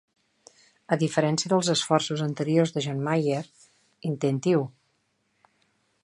A diferència dels esforços anteriors de John Mayer, intenti-ho!